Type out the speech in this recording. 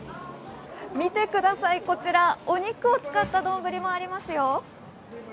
見てください、こちら、お肉を使ったどんぶりもありますよ。